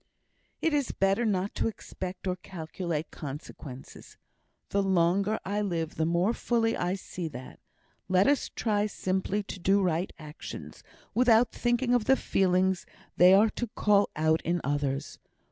"It is better not to expect or calculate consequences. The longer I live, the more fully I see that. Let us try simply to do right actions, without thinking of the feelings they are to call out in others.